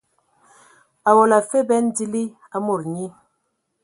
Awɔla afe bɛn dili a mod nyi.